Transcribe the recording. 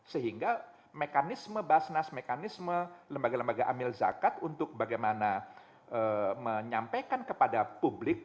sehingga mekanisme basnas mekanisme lembaga lembaga amil zakat untuk bagaimana menyampaikan kepada publik